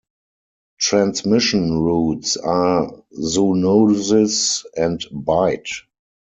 Transmission routes are zoonosis and bite.